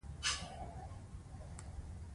مړه ته د روژې دعا ورکوو